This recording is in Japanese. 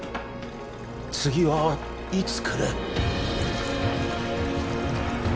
次はいつ来る？